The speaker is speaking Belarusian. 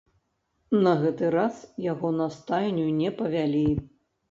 На гэты раз яго на стайню не павялі.